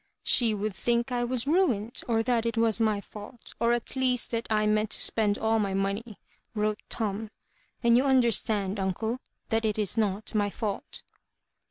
*' She would think I was ruined, or that it was my fault, or at least that I meant to spend all my money," wrote Tom, "and you understand, unde, that it is not my fault."